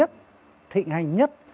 thịnh hành nhất